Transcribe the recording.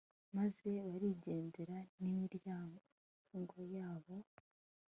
maze barigendera n'iminyago yabo